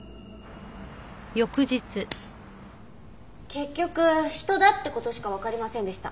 結局人だって事しかわかりませんでした。